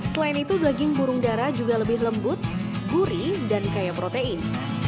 selain itu daging burung darah juga lebih lembut gurih dan kaya protein